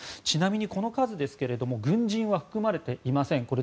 ちなみに、この数ですけれども軍人は含まれていません。